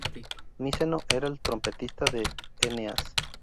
Miseno era el trompetista de Eneas.